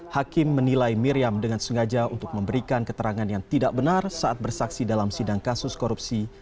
hakim menilai miriam dengan sengaja untuk memberikan keterangan yang tidak benar saat bersaksi dalam sidang kasus korupsi